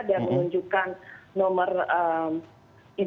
dan menunjukkan nomor identitas saya